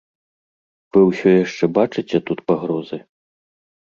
Вы ўсё яшчэ бачыце тут пагрозы?